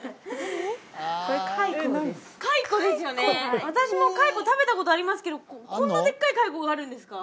・これカイコですカイコですよね私もカイコ食べたことありますけどこんなでっかいカイコがあるんですか？